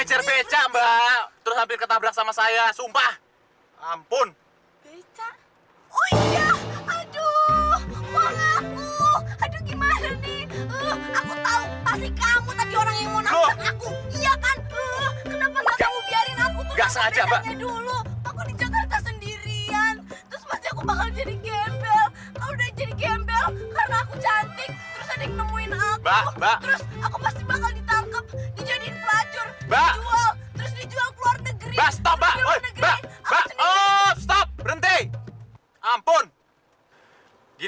eh jangan maling